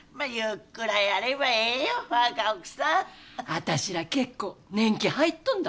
あたしら結構年季入っとんだ。